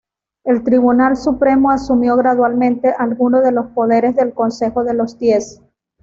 El Tribunal Supremo asumió gradualmente alguno de los poderes del Consejo de los Diez.